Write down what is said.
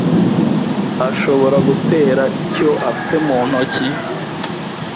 Ashobora gutera icyo afite mu ntoki